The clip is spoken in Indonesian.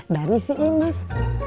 dari si imus